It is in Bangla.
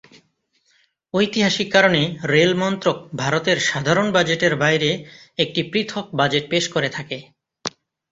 ঐতিহাসিক কারণে রেল মন্ত্রক ভারতের সাধারণ বাজেটের বাইরে একটি পৃথক বাজেট পেশ করে থাকে।